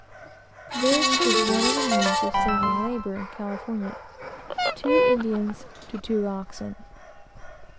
This is one of the means of saving labor in California; two Indians to two oxen.